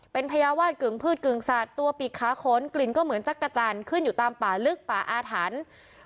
เป็นพญาวาสกึ่งพืชกึ่งสัตว์ตัวปีกขาขนกลิ่นก็เหมือนจักรจันทร์ขึ้นอยู่ตามป่าลึกป่าอาถรรพ์